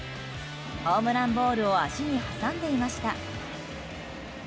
ホームランボールを足に挟んでいました。